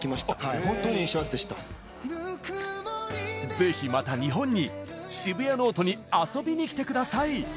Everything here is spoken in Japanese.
ぜひまた日本に「シブヤノオト」に遊びに来てください！